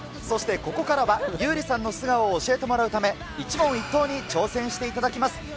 そして、ここからは優里さんの素顔を教えてもらうため、壱問壱答に挑戦していただきます。